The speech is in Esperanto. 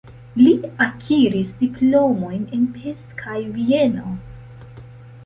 Li akiris diplomojn en Pest kaj Vieno.